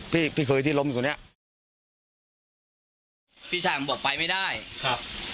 พี่พี่เคยที่ล้มอยู่เนี้ยพี่ชายผมบอกไปไม่ได้ครับ